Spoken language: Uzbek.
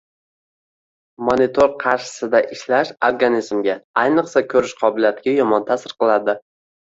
Monitor qarshisida ishlash organizmga, ayniqsa ko‘rish qobiliyatiga yomon ta’sir qiladi.